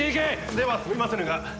ではすみませぬが。